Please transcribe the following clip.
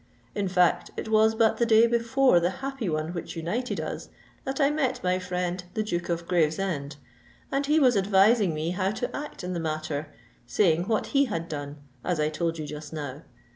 In fact, it was but the day before the happy one which united us, that I met my friend the Duke of Gravesend, and he was advising me how to act in the matter, saying what he had done, as I told you just now.